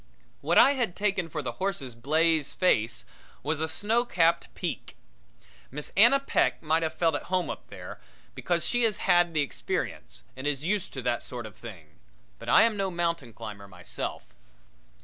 What I had taken for the horse's blaze face was a snow capped peak. Miss Anna Peck might have felt at home up there, because she has had the experience and is used to that sort of thing, but I am no mountain climber myself.